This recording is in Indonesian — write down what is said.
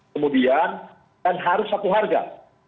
kemudian kan harus satu harga